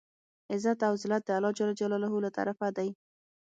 عزت او زلت د الله ج له طرفه دی.